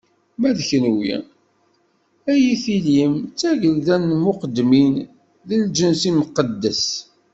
Ma d kenwi, ad yi-tilim d tagelda n lmuqeddmin, d lǧens imqeddes.